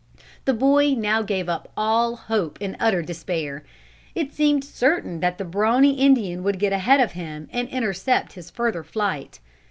The boy now gave up all hope in utter despair. It seemed certain that the brawny Indian would get ahead of him and intercept his further flight.